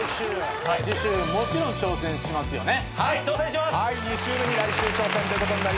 次週もちろん挑戦しますよね？